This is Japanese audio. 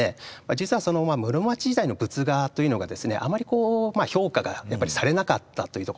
実は室町時代の仏画というのがですねあまり評価がされなかったというところがあるんですね。